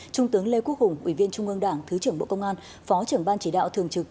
trung tướng lê quốc hùng ủy viên trung ương đảng thứ trưởng bộ công an phó trưởng ban chỉ đạo thường trực